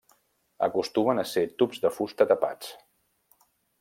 Acostumen a ser tubs de fusta tapats.